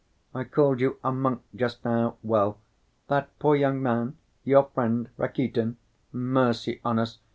I called you a monk just now. Well, that poor young man, your friend, Rakitin (Mercy on us!